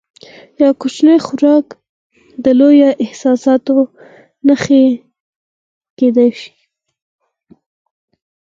یو کوچنی خوراک د لویو احساساتو نښه کېدای شي.